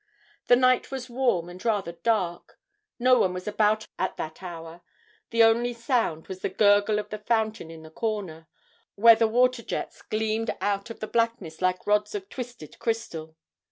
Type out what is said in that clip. The night was warm and rather dark; no one was about at that hour; the only sound was the gurgle of the fountain in the corner, where the water jets gleamed out of the blackness like rods of twisted crystal.